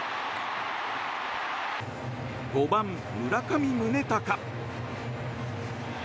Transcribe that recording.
５番、村上宗隆。